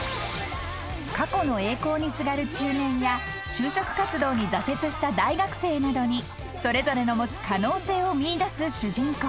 ［過去の栄光にすがる中年や就職活動に挫折した大学生などにそれぞれの持つ可能性を見いだす主人公］